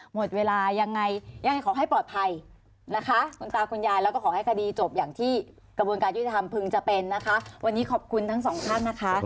หมดเวลายังไงยังไงขอให้ปลอดภัยนะคะคุณตาคุณยายแล้วก็ขอให้คดีจบอย่างที่กระบวนการยุติธรรมพึงจะเป็นนะคะวันนี้ขอบคุณทั้งสองท่านนะคะ